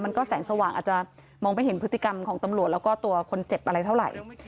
แสงสว่างอาจจะมองไม่เห็นพฤติกรรมของตำรวจแล้วก็ตัวคนเจ็บอะไรเท่าไหร่